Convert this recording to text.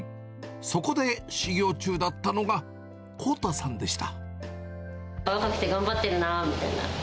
そこで修業中だったのが、若くて頑張ってるなみたいな。